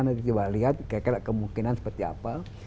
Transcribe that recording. nanti coba lihat kemungkinan seperti apa